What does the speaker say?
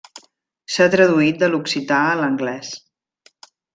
S'ha traduït de l'occità a l'anglès.